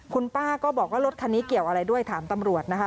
คุณป้าก็บอกว่ารถคันนี้เกี่ยวอะไรด้วยถามตำรวจนะคะ